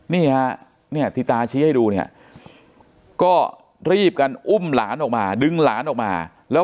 นี่ฮะเนี่ยที่ตาชี้ให้ดูเนี่ยก็รีบกันอุ้มหลานออกมาดึงหลานออกมาแล้ว